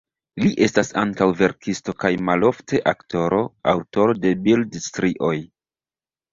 Li estas ankaŭ verkisto kaj malofte aktoro, aŭtoro de bildstrioj.